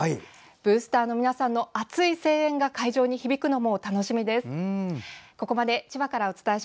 ブースターの皆さんの熱い声援が会場に響くのも楽しみです。